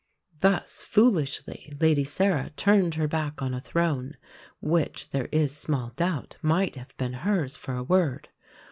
Thus foolishly Lady Sarah turned her back on a throne, which there is small doubt might have been hers for a word.